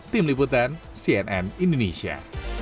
tim liputan cnn indonesia